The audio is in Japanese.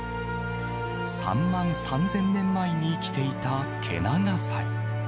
３万３０００年前に生きていたケナガサイ。